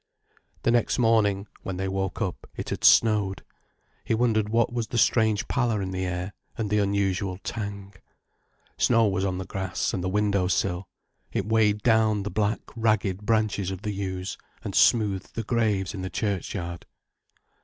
The next morning, when they woke up, it had snowed. He wondered what was the strange pallor in the air, and the unusual tang. Snow was on the grass and the window sill, it weighed down the black, ragged branches of the yews, and smoothed the graves in the churchyard.